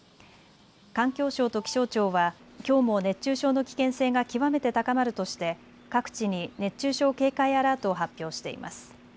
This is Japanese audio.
環境省と気象庁はきょうも熱中症の危険性が極めて高まるとして各地に熱中症警戒アラートを発表しています。